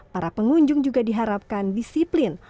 para pengunjung juga diharapkan disiplin